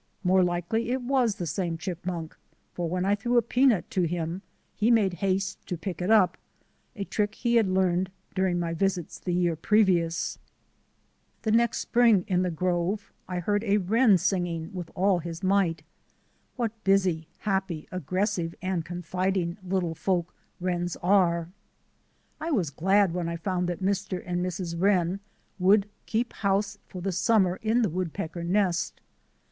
More likely it was the same chipmunk, for when I threw a peanut to him he made haste to pick it up — a trick he had learned during my visits the year previous. The next spring in the grove I heard a wren sing 28 THE ADVENTURES OF A NATURE GUIDE ing with all his might. What busy, happy, ag gressive, and confiding little folk wrens are ! I was glad when I found that Mr. and Mrs. Wren would keep house for the summer in the woodpecker nest.